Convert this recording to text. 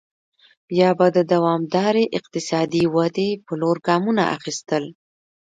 یا به د دوامدارې اقتصادي ودې په لور ګامونه اخیستل.